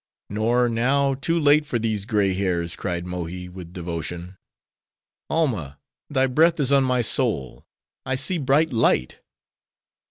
"Nor now, too late for these gray hairs," cried Mohi, with devotion. "Alma, thy breath is on my soul. I see bright light."